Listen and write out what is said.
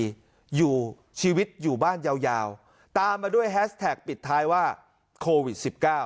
อยู่ชีวิตอยู่บ้านยาวตามมาด้วยแฮสแท็กปิดท้ายว่าโควิด๑๙